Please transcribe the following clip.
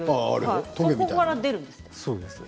そこから出るんです。